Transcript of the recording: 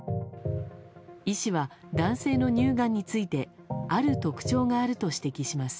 医師は男性の乳がんについてある特徴があると指摘します。